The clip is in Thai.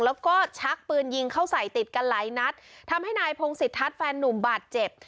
แล้วก็ชักปืนยิงเข้าใส่ติดกันหลายนัดทำให้นายพงศิษทัศน์แฟนนุ่มบาดเจ็บ